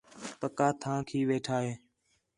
پکا تھاں کھی ویٹھا ہے